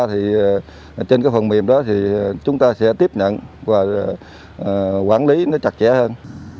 trên phần mềm đó chúng ta sẽ tiếp nhận và quản lý nó chặt chẽ hơn